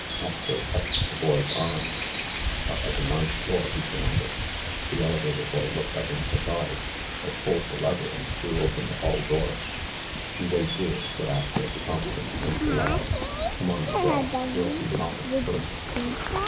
Astro touched the boy's arm. "Stop at the ninth floor!" he commanded. The elevator boy looked up in surprise; but pulled the lever and threw open the hall door. "You wait here," said Astro to Thompson and the lad. "Come on, McGraw. We'll see Moffett first."